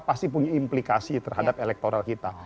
pasti punya implikasi terhadap elektoral kita